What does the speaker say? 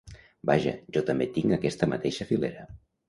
Vaja, jo també tinc aquesta mateixa filera.